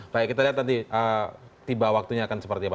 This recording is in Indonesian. baik kita lihat nanti tiba waktunya akan seperti apa